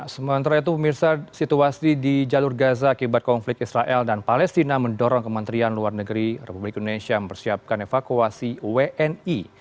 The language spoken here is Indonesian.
sementara itu pemirsa situasi di jalur gaza akibat konflik israel dan palestina mendorong kementerian luar negeri republik indonesia mempersiapkan evakuasi wni